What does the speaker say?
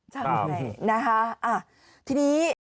ใช่นะคะทีนี้